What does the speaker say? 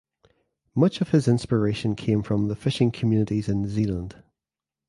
Much of his inspiration came from the fishing communities in Zeeland.